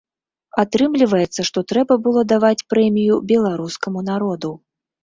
Атрымліваецца, што трэба было даваць прэмію беларускаму народу.